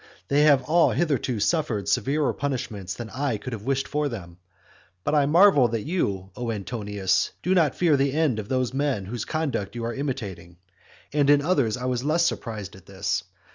They have all hitherto suffered severer punishments than I could have wished for them; but I marvel that you, O Antonius, do not fear the end of those men whose conduct you are imitating. And in others I was less surprised at this.